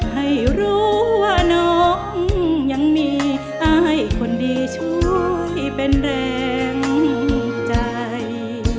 ให้รู้ว่าน้องยังมีอายคนดีช่วยเป็นแรงใจ